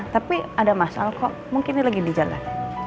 tapi ada masalah kok mungkin ini lagi di jalan